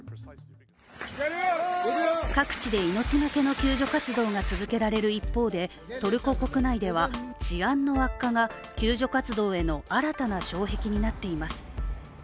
各地で命懸けの救助活動が続けられる一方でトルコ国内では、治安の悪化が救助活動への新たな障壁になっています。